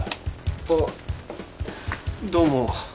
あっどうも。